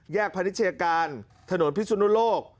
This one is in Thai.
แยกพาณิชยาการถนนพิสุนุลก